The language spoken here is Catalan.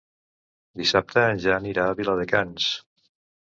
Dissabte en Jan irà a Viladecans.